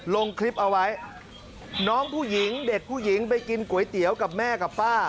ลงคลิปเอาไว้น้องผู้หญิงเด็กผู้หญิงไปกินก๋วยเตี๋ยวกับแม่กับป้า